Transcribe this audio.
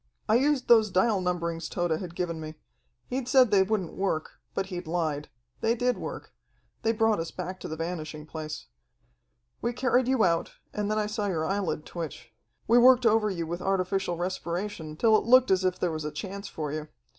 I used those dial numberings Tode had given me. He'd said they wouldn't work, but he'd lied. They did work. They brought us back to the Vanishing Place. "We carried you out, and then I saw your eyelid twitch. We worked over you with artificial respiration till it looked as if there was a chance for you.